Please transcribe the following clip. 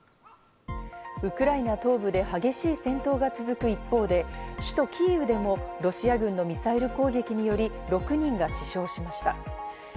ウクライナ東部で激しい戦闘が続く一方で、首都キーウでもロシア軍のミサイル攻撃により６人が死傷しました。